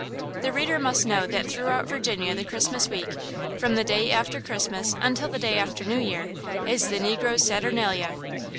The reader must know that throughout Virginia the Christmas week, from the day after Christmas until the day after New Year, is the negroes' saturnalia!